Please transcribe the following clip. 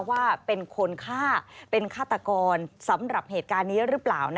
ว่าเป็นคนฆ่าเป็นฆาตกรสำหรับเหตุการณ์นี้หรือเปล่า